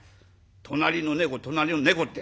『隣の猫隣の猫』って。